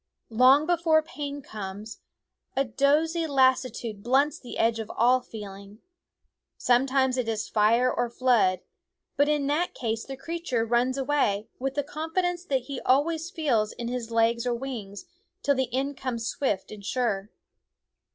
Long before pain comes, a dozy lassitude blunts the edge of all feeling. Sometimes it is fire or flood ; but in that case the creature runs away, with the confidence that he always feels in his legs or wings, ti 359 /fri/maIs Die SCHOOL OF me the end comes swift and sure.